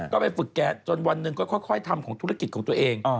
ก็ไปฝึกแก๊สจนวันหนึ่งก็ค่อยทำของธุรกิจของตัวเอง